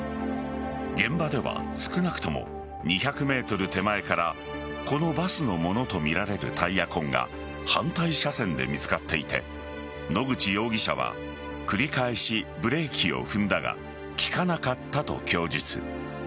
現場では少なくとも２００ｍ手前からこのバスのものとみられるタイヤ痕が反対車線で見つかっていて野口容疑者は繰り返しブレーキを踏んだが利かなかったと供述。